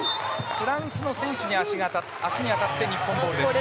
フランスの選手の足に当たって日本ボールです。